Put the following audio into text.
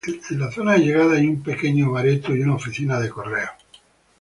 En la zona de llegadas hay un pequeño bar y una oficina de correos.